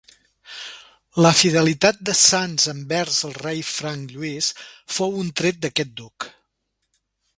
La fidelitat de Sanç envers el rei franc Lluís fou un tret d'aquest duc.